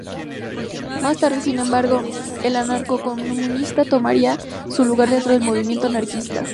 Más tarde, sin embargo, el anarcocomunismo tomaría su lugar dentro del movimiento anarquista.